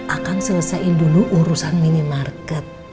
akang selesain dulu urusan minimarket